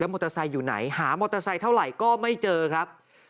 มอเตอร์ไซค์อยู่ไหนหามอเตอร์ไซค์เท่าไหร่ก็ไม่เจอครับ